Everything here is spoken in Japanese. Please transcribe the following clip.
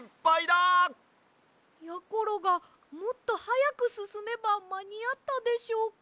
やころがもっとはやくすすめばまにあったでしょうか？